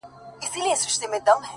چي ورته سر ټيټ كړمه _ وژاړمه _